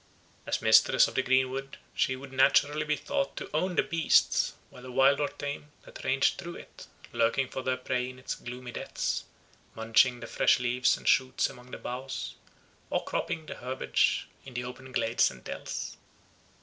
As mistress of the greenwood she would naturally be thought to own the beasts, whether wild or tame, that ranged through it, lurking for their prey in its gloomy depths, munching the fresh leaves and shoots among the boughs, or cropping the herbage in the open glades and dells.